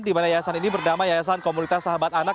dimana yayasan ini bernama yayasan komunitas sahabat anak